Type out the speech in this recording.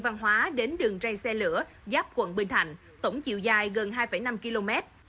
trên địa bàn tp hcm tổng chiều dài gần hai năm km